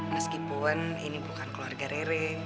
meskipun ini bukan keluarga rere